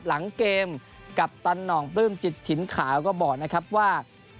หลังเกมกัปตันหน่องปลื้มจิตถิ่นขาวก็บอกนะครับว่า